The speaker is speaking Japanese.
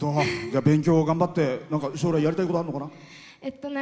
勉強、頑張って将来やりたいことあるのかな。